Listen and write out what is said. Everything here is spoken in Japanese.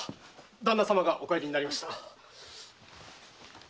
旦那さまがお帰りになりました。